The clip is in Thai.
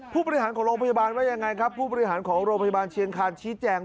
ผู้ปริหารของโรงพยาบาลว่าอย่างไรครับ